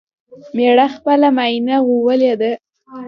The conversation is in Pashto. مېړه خپله ماينه غوولې ده